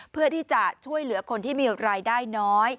เพื่อที่จะช่วยเหลือคนที่มีรายได้น้อย